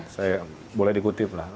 saya boleh dikutip lah